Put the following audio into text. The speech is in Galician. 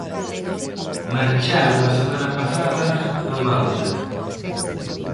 Marcharon a semana pasada a Malta.